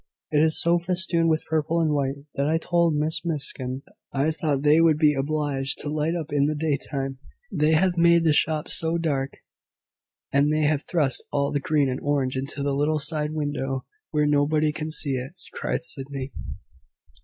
It is so festooned with purple and white, that I told Miss Miskin I thought they would be obliged to light up in the daytime, they have made the shop so dark." "And they have thrust all the green and orange into the little side window, where nobody can see it!" cried Sydney.